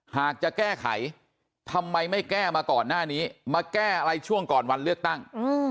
หากจะแก้ไขทำไมไม่แก้มาก่อนหน้านี้มาแก้อะไรช่วงก่อนวันเลือกตั้ง